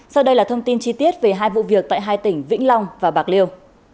sau đây là thông tin chi tiết về hai vụ việc tại hai tỉnh vĩnh long và bạc liêu